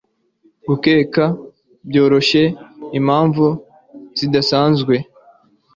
Gukeka byoroshye impamvu zidasanzwe